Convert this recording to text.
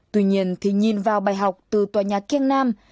tuy nhiên thì nhìn vào bài học từ tòa nhà kiêng nam